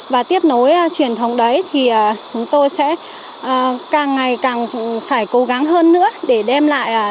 và tiếp nối truyền thống đấy thì chúng tôi sẽ càng ngày càng phải cố gắng hơn nữa để đem lại bình yên cho nhân dân